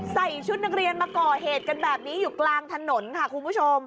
ใส่ชุดนักเรียนมาก่อเหตุกันแบบนี้อยู่กลางถนนค่ะคุณผู้ชม